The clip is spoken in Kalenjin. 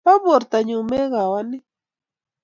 Bo bomurtanyu mekewani